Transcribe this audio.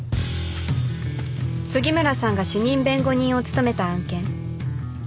杉村さんが主任弁護人を務めた案件。